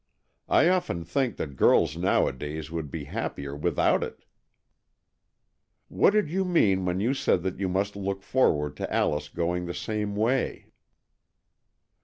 I often think that girls nowadays would be happier without it." "What did you mean when you said that you must look forward to Alice going the same way